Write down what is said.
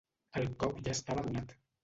El cop ja estava donat.